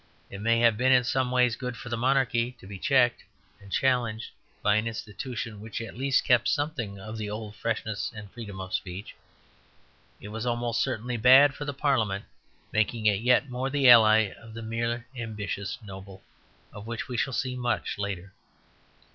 It may have been in some ways good for the monarchy, to be checked and challenged by an institution which at least kept something of the old freshness and freedom of speech. It was almost certainly bad for the parliament, making it yet more the ally of the mere ambitious noble, of which we shall see much later.